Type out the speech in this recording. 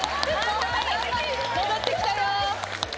戻ってきたよ！